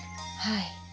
はい。